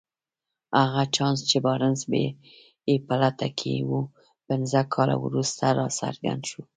هغه چانس چې بارنس يې په لټه کې و پنځه کاله وروسته راڅرګند شو.